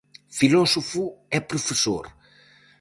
Filósofo e profesor.